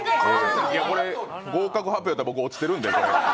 これ合格発表だったら僕、落ちてるんで。